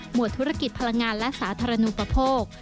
วดธุรกิจพลังงานและสาธารณูปโภค